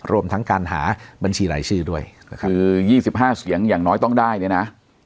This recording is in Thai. รวมทั้งการหาบัญชีรายชื่อด้วยคือ๒๕เสียงอย่างน้อยต้องได้เนี่ยนะ